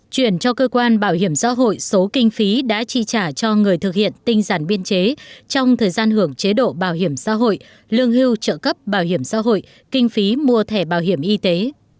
chuyển cho cơ quan bảo hiểm xã hội số kinh phí đã chi trả cho người thực hiện tinh giản biên chế trong thời gian hưởng chế độ bảo hiểm xã hội lương hưu trợ cấp bảo hiểm xã hội kinh phí mua thẻ bảo hiểm y tế